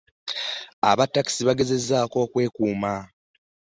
Aba taxi bagezezaako okwekuuma.